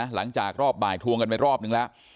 หลังจากรอบบ่ายทวงกันไปรอบนึงแล้ว